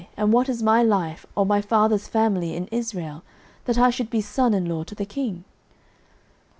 and what is my life, or my father's family in Israel, that I should be son in law to the king?